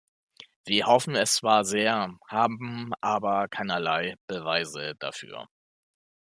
Wir hoffen es zwar sehr, haben aber keinerlei Beweise dafür.